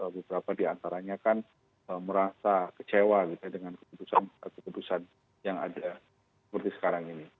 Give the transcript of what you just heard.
beberapa di antaranya kan merasa kecewa kita dengan keputusan keputusan yang ada seperti sekarang